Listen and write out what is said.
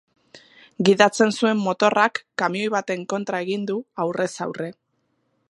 Gidatzen zuen motorrak kamioi baten kontra egin du, aurrez aurre.